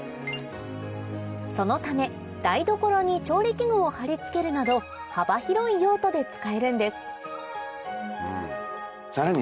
そのため台所に調理器具を貼り付けるなど幅広い用途で使えるんですさらに